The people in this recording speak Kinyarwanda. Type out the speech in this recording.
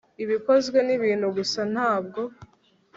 bikozwe nibintu gusa ntabwo